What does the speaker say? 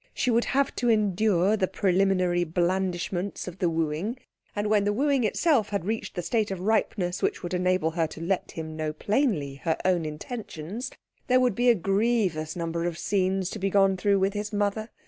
She would have to endure the preliminary blandishments of the wooing, and when the wooing itself had reached the state of ripeness which would enable her to let him know plainly her own intentions, there would be a grievous number of scenes to be gone through with his mother.